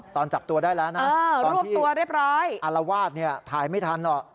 ตอนจับตัวได้แล้วนะรวบตัวเรียบร้อยอารวาสเนี่ยถ่ายไม่ทันหรอก